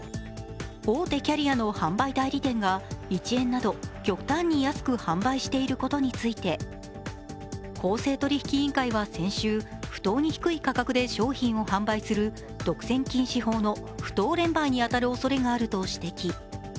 大手キャリアの販売代理店が１円など極端に安く販売していることについて、公正取引委員会は先週不当に低い価格で商品を販売する独占禁止法の不当廉売にに当たるおそれがあると指摘。